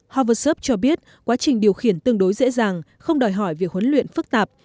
horversev cho biết quá trình điều khiển tương đối dễ dàng không đòi hỏi việc huấn luyện phức tạp